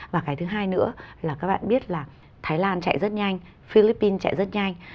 và cái thứ hai nữa là các bạn biết là thái lan chạy rất nhanh philippines chạy rất nhanh